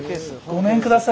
ごめんください。